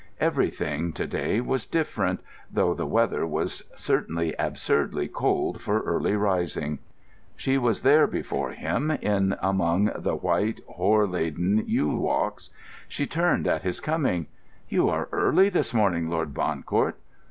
Everything, to day, was different, though the weather was certainly absurdly cold for early rising. She was there before him, in among the white, hoar laden, yew walks. She turned at his coming. "You are early this morning, Lord Bancourt."